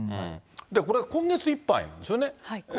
これ、今月いっぱいなんですよね。